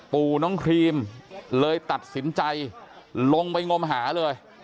ปู่น้องครีมเลยตัดสินใจลงไปงมหาเลย